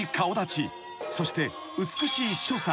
［そして美しい所作］